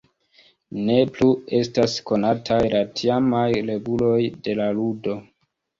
Ne plu estas konataj la tiamaj reguloj de la ludo.